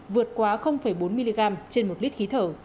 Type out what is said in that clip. vượt quá bốn mg trên một lít khí thở